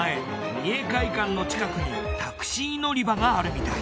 三重会館の近くにタクシー乗り場があるみたい。